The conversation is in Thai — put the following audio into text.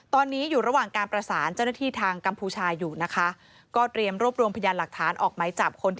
ตอนนี้อยู่ระหว่างการประสานเจ้าหน้าที่ทางกัมพูชาอยู่นะคะก็เตรียมรวบรวมพยานหลักฐานออกไหมจับคนที่